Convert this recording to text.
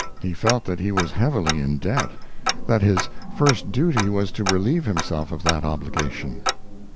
He felt that he was heavily in debt that his first duty was to relieve himself of that obligation.